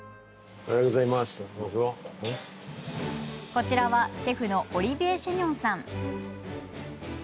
こちらは、シェフのオリヴィエ・シェニョンさん。